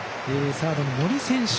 サードの森君ね